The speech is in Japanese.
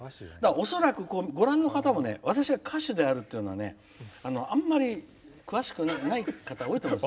恐らく、ご覧の方も私が歌手であるということはあんまり、詳しくない方多いと思う。